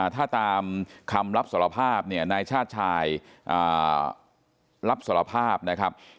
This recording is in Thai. ถ้าตามคำรับสารภาพเนี่ยนายชาติชายรับสารภาพนะครับ